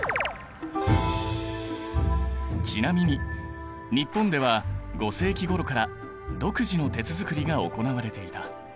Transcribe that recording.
ちなみに日本では５世紀ごろから独自の鉄づくりが行われていた。